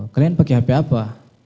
kalian pakai hp apa